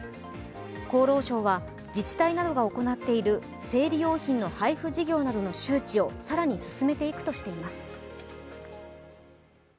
厚労省は自治体などが行っている生理用品の配布事業などの周知を更に進めていくとしています。